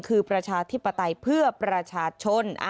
คือประชาธิปไตยเพื่อประชาชน